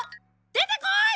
出てこい！